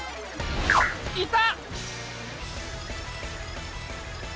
いた！